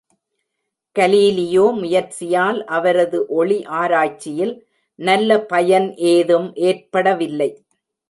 Galileo முயற்சியால் அவரது ஒளி ஆராய்ச்சியில் நல்ல பயன் ஏதும் ஏற்படவில்லை.